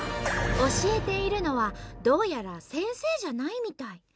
教えているのはどうやら先生じゃないみたい。